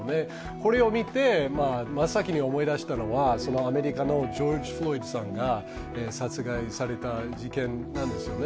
これを見て、真っ先に思い出したのはアメリカのジョージ・フロイドさんが殺害された事件ですね